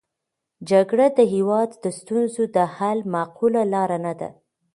جګړه د هېواد د ستونزو د حل معقوله لاره نه ده.